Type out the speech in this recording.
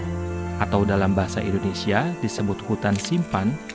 kampung tarok yang terdiri dari carl heideggfors